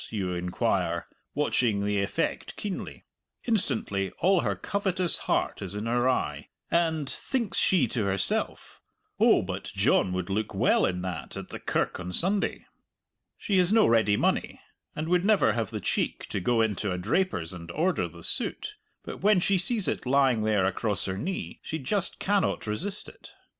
you inquire, watching the effect keenly. Instantly all her covetous heart is in her eye, and, thinks she to herself, "Oh, but John would look well in that at the kirk on Sunday!" She has no ready money, and would never have the cheek to go into a draper's and order the suit; but when she sees it lying there across her knee, she just cannot resist it.